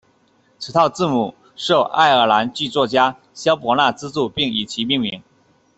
此套字母受爱尔兰剧作家萧伯纳资助并以其命名。